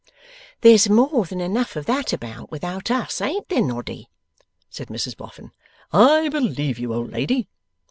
'There's more than enough of that about, without us; ain't there, Noddy?' said Mrs Boffin. 'I believe you, old lady!